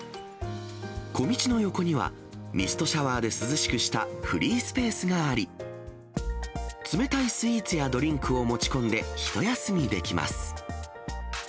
小道の横にはミストシャワーで涼しくしたフリースペースがあり、冷たいスイーツやドリンクを持ち込んで、一休みできます。